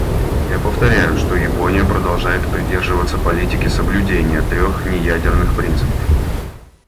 Я повторяю, что Япония продолжает придерживаться политики соблюдения трех неядерных принципов.